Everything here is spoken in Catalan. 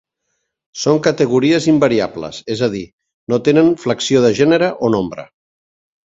Són categories invariables, és a dir, no tenen flexió de gènere o nombre.